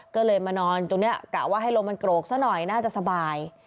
ก็เลยมานอนตรงนี้กะว่าให้ลมมันโกรกซะหน่อยน่าจะสบาย